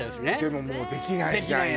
でももうできないじゃん